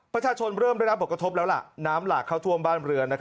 ประชาชนเริ่มได้รับผลกระทบแล้วล่ะน้ำหลากเข้าท่วมบ้านเรือน